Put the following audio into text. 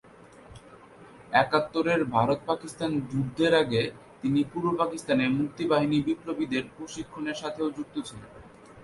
একাত্তরের ভারত-পাকিস্তান যুদ্ধের আগে তিনি পূর্ব পাকিস্তানে মুক্তি বাহিনী বিপ্লবীদের প্রশিক্ষণের সাথেও যুক্ত ছিলেন।